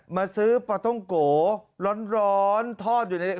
มาซื้อปลาต้องโกร้อนทอดอยู่ใน